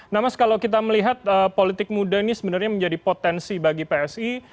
nah mas kalau kita melihat politik muda ini sebenarnya menjadi potensi bagi psi